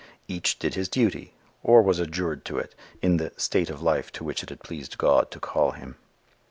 Each did his duty, or was adjured to do it, in the "state of life to which it had pleased God to call him."